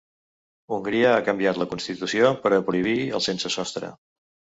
Hongria ha canviat la constitució per a prohibir els sense sostre.